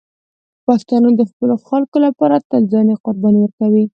پښتانه د خپلو خلکو لپاره تل ځاني قرباني ورکوي.